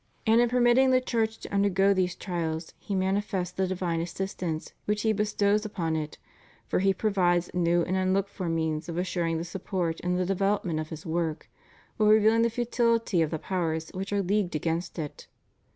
And in permitting the Church to undergo these trials He manifests the divine assistance which He bestows upon it, for He provides new and un looked for means of assuring the support and the develop ment of His work, while revealing the futifity of the powers which are leagued against it.